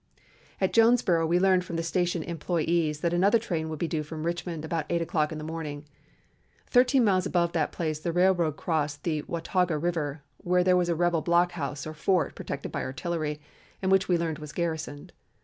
"At Jonesboro we learned from the station employees that another train would be due from Richmond about eight o'clock in the morning. Thirteen miles above that place the railroad crossed the Watauga River, where there was a rebel blockhouse or fort protected by artillery, and which we learned was garrisoned.